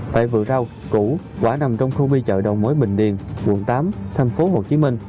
tại vựa rau củ quả nằm trong khu bi chợ đầu mối bình điền quận tám thành phố hồ chí minh